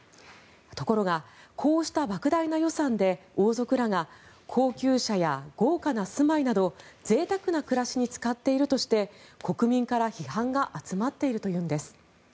ところがこうしたばく大な予算で王族らが高級車や豪華な住まいなどぜいたくな暮らしに使っているとして国民から批判が集まっているというんです。